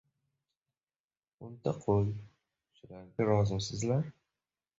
— O‘nta qo‘y… shularga rozimisizlar?